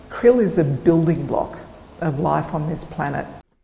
kerel adalah blok pembangunan hidup di planet ini